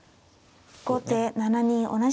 後手７二同じく銀。